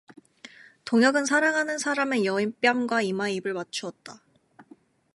동혁은 사랑하는 사람의 여윈 빰과 이마에 입을 맞추었다.